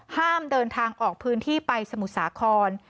ห้ามเดินทางออกพื้นที่ไปสมุทรสาคร